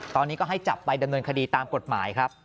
ตอนนี้ก็ให้จับไปดำเนินคดีตามกฎหมายครับ